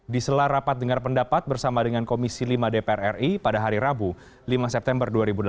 di sela rapat dengar pendapat bersama dengan komisi lima dpr ri pada hari rabu lima september dua ribu delapan belas